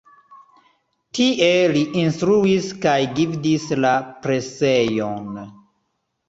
Tie li instruis kaj gvidis la presejon.